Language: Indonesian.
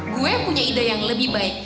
gue punya ide yang lebih baik